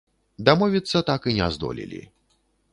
Дамовіцца так і не здолелі.